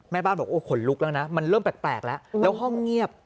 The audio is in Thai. แม่บ้านบอกโอ้ขนลุกแล้วนะมันเริ่มแปลกแล้วแล้วห้องเงียบ